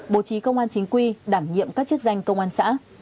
bố trí công an chính quy đảm nhiệm các chức danh công an xã